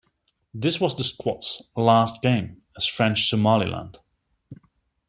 This was the squad's last game as French Somaliland.